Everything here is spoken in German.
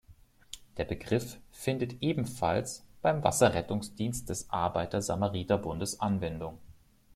Der Begriff findet ebenfalls beim Wasserrettungsdienst des Arbeiter-Samariter-Bundes Anwendung.